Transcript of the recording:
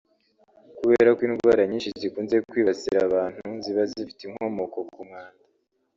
Kubera ko indwara nyinshi zikunze kwibasira abantu ziba zifite inkomoko ku mwanda